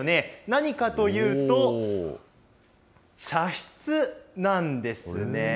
何かというと、茶室なんですね。